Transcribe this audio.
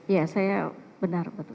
ya saya benar betul